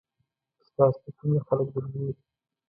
چې تاسو ته څومره خلک درګوري .